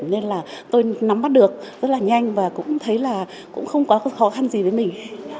nên là tôi nắm bắt được rất là nhanh và cũng thấy là cũng không quá khó khăn gì với mình